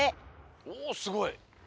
おおすごい！